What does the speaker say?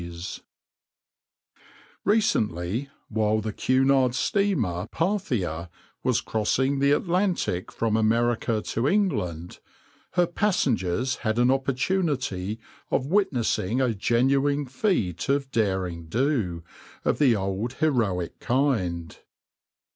"\par \vs {\noindent} Recently, while the Cunard steamer {\itshape{Parthia}} was crossing the Atlantic from America to England, her passengers had an opportunity of witnessing a genuine feat of derring do of the old heroic kind.